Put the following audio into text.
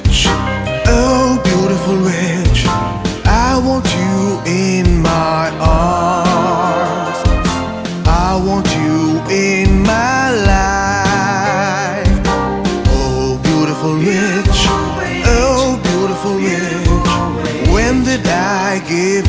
kemudian kapal itu berlayar